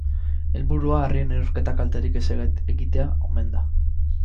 Helburua harrien erorketak kalterik ez egitea omen da.